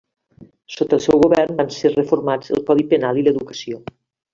Sota el seu govern van ser reformats el codi penal i l'educació.